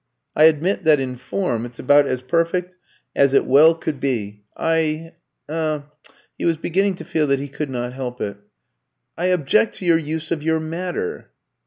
I admit that in form it's about as perfect as it well could be. I er " (he was beginning to feel that he could not help it) "object to your use of your matter."